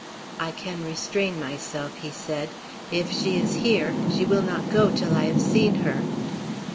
"I can restrain myself," he said. "If she is here, she will not go till I have seen her.